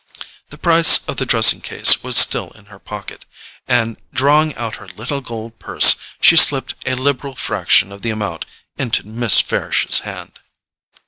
The price of the dressing case was still in her pocket; and drawing out her little gold purse she slipped a liberal fraction of the amount into Miss Farish's hand.